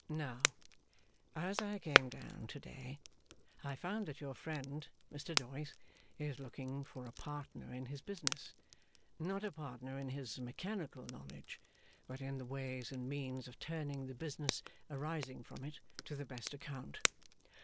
'Now, as I came down to day, I found that your friend, Mr Doyce, is looking for a partner in his business not a partner in his mechanical knowledge, but in the ways and means of turning the business arising from it to the best account.